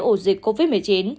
ổ dịch covid một mươi chín